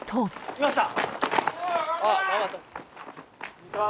・いました！